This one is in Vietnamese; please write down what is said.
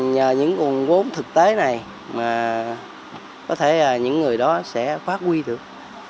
nhờ những nguồn vốn thực tế này mà có thể những người đó sẽ phát huy được